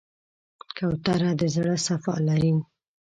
کوتره د زړه صفا لري.